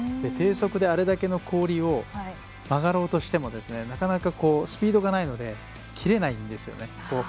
低速であれだけの氷を曲がろうとしてもなかなかスピードがないので切れないんですよね。